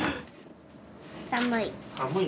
寒い。